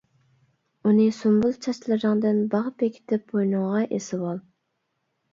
ئۇنى سۇمبۇل چاچلىرىڭدىن باغ بېكىتىپ بوينۇڭغا ئېسىۋال.